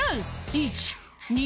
１・２」